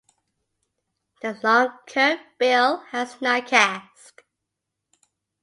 The long curved bill has no casque.